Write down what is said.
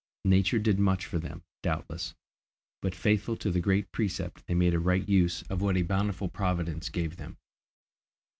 Nature did much for them, doubtless; but faithful to the great precept, they made a right use of what a bountiful Providence gave them.